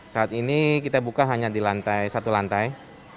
saat ini kita buka hanya di lantai satu lantai